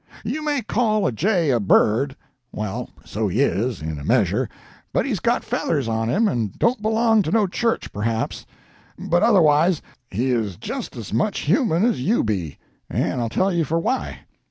"You may call a jay a bird. Well, so he is, in a measure but he's got feathers on him, and don't belong to no church, perhaps; but otherwise he is just as much human as you be. And I'll tell you for why.